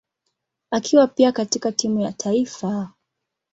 akiwa pia katika timu ya taifa.